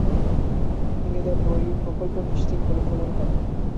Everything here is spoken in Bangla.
তিনি দ্য ব্রোয়ি প্রকল্প নিশ্চিত বলে প্রমাণ করেন।